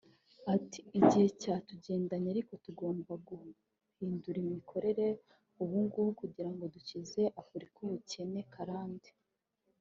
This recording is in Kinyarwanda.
Ati "Igihe cyatugendanye ariko tugomba guhindura imikorere ubu ngubu kugira ngo dukize Afurika ubukene karande